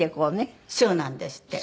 そうなんですって。